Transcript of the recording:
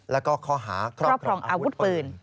แล้วก็ข้อหาครอบครองอาวุธปืน